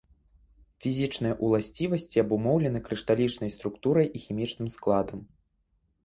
Фізічныя ўласцівасці абумоўлены крышталічнай структурай і хімічным складам.